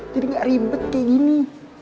jadi gak ribet kayak gini